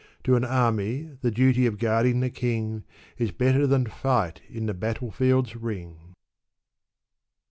To an army, the duty of guarding the king, Is better than fight in the battle field's ring.